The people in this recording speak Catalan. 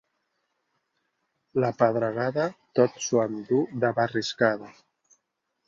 La pedregada tot s'ho enduu de barriscada.